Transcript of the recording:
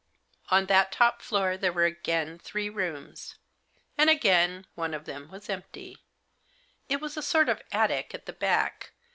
On that top floor there were again three rooms. And again, one of them was empty. It was a sort of attic, at the back.